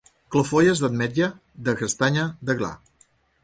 Clofolles d'ametlla, de castanya, de gla.